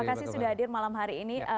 terima kasih sudah hadir malam hari ini